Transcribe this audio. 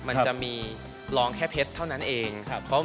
มันจะมีลองแค่เพชรเท่านั้นเอง